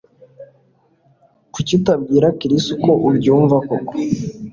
Kuki utabwira Chris uko ubyumva koko